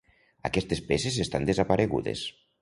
Aquestes peces estan desaparegudes.